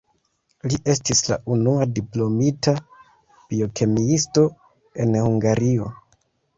Li estis la unua diplomita biokemiisto en Hungario.